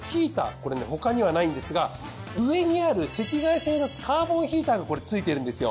これね他にはないんですが上にある赤外線を出すカーボンヒーターが付いてるんですよ。